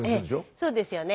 そうですよね。